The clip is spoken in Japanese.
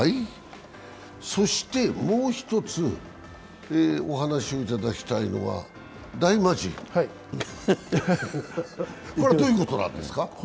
そして、もう一つお話をいただきたいのは大魔神、これはどういうことなんですか？